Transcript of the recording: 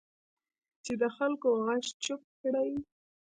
چې د خلکو غږ چپ کړي